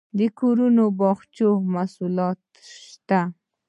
د کورنیو باغچو حاصلات شته